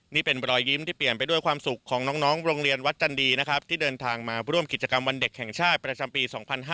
นี่เป็นรอยยิ้มที่เปลี่ยนไปด้วยความสุขของน้องโรงเรียนวัดจันดีนะครับที่เดินทางมาร่วมกิจกรรมวันเด็กแห่งชาติประจำปี๒๕๕๙